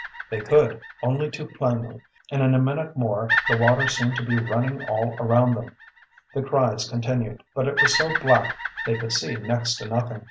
They could, only too plainly, and in a minute more the water seemed to be running all around them. The cries continued, but it was so black they could see next to nothing.